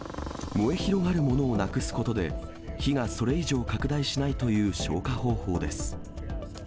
燃え広がるものをなくすことで、火がそれ以上拡大しないという消火方法です。